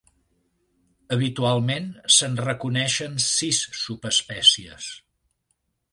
Habitualment se'n reconeixen sis subespècies.